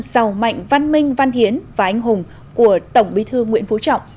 giàu mạnh văn minh văn hiến và anh hùng của tổng bí thư nguyễn phú trọng